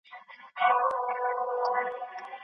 موږ باید د تیرو پېښو څخه عبرت واخلو.